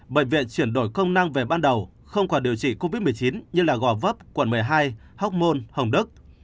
bệnh viện chuyển đổi công năng về ban đầu không quả điều trị covid một mươi chín như là gò vấp quần một mươi hai hốc môn hồng đức